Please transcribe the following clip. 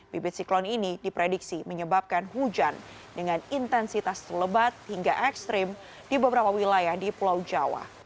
bibit siklon ini diprediksi menyebabkan hujan dengan intensitas lebat hingga ekstrim di beberapa wilayah di pulau jawa